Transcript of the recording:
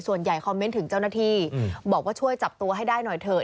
คอมเมนต์ถึงเจ้าหน้าที่บอกว่าช่วยจับตัวให้ได้หน่อยเถอะ